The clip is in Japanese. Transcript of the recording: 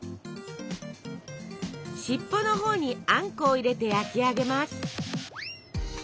尻尾のほうにあんこを入れて焼き上げます。